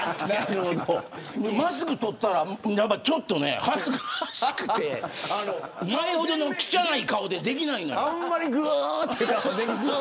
マスクを取ったらちょっと恥ずかしくて前ほどのきちゃない顔でできない。